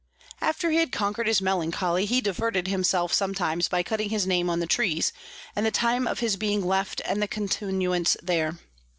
After he had conquer'd his Melancholy, he diverted himself sometimes by cutting his Name on the Trees, and the Time of his being left and Continuance there.